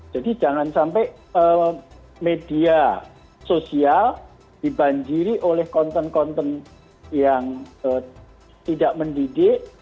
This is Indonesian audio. jadi jangan sampai media sosial dibanjiri oleh konten konten yang tidak mendidik